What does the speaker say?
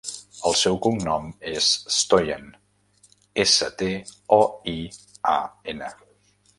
El seu cognom és Stoian: essa, te, o, i, a, ena.